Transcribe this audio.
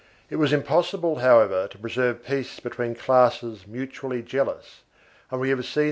It was impossible, however, to preserve peace between classes mutually jealous, and we have seen (p.